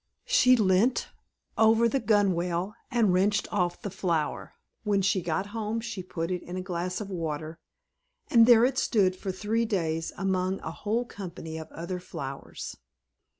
She leant over the gunwale and wrenched off the flower. When she had got home she put it in a glass of water, and there it stood for three days among a whole company of other flowers.